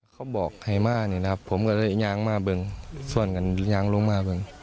เขาบอกให้มานี่นะครับผมก็เลยยางมาเบิ่งส่วนกันยางลงมาเบิ้ง